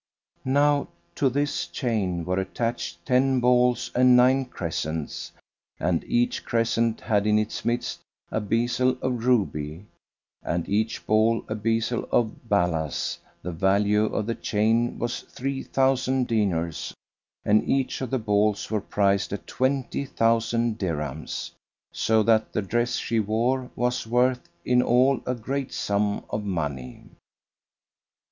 Now to this chain were attached ten balls and nine crescents, and each crescent had in its midst a bezel of ruby, and each ball a bezel of balass: the value of the chain was three thousand dinars and each of the balls was priced at twenty thousand dirhams, so that the dress she wore was worth in all a great sum of money.